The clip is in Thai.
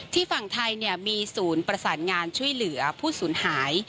ฝั่งไทยมีศูนย์ประสานงานช่วยเหลือผู้สูญหาย